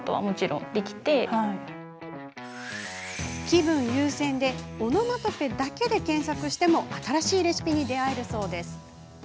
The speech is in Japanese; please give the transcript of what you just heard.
気分優先でオノマトペだけで検索しても新しいレシピに出会えるそうです。